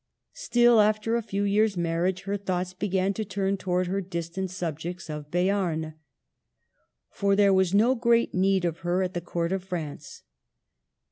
Still, after a few years' marriage her thoughts began to turn towards her distant sub jects of Beam. For there was no great need of her at the Court of France.